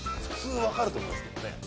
普通分かると思いますね。